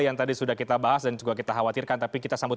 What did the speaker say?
yang tadi sudah kita bahas